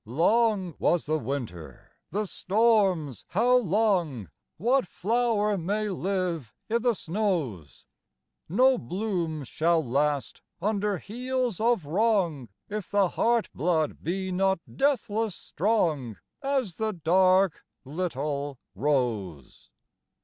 Long was the winter, the storms how long! What flower may live i' the snows! No bloom shall last under heels of wrong, If the heart blood be not deathless strong, As the dark little Rose.